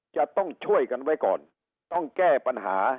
จะต้องช่วยกันไว้ก่อนต้องแก้ปัญหา